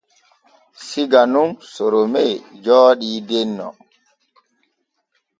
Siga nun Sorome jooɗii denno.